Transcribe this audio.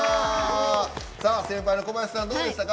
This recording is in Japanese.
先輩の小林さんどうでしたか？